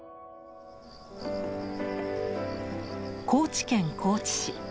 高知県高知市。